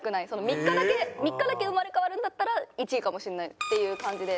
３日だけ３日だけ生まれ変わるんだったら１位かもしれないっていう感じで。